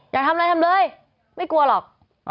อยากทำอะไรทำเลยไม่กลัวหรอก